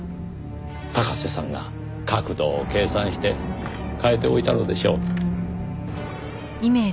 高瀬さんが角度を計算して変えておいたのでしょう。